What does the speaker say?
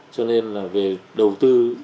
cho nên là về đầu tư